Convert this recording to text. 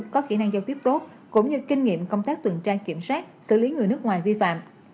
có kỹ năng giao tiếp tốt cũng như kinh nghiệm công tác tuần tra kiểm soát xử lý người nước ngoài vi phạm